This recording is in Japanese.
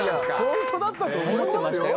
ホントだったと思いますよ。